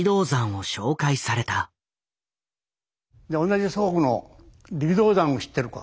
同じ祖国の力道山を知ってるか？